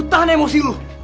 lo tahan emosi lu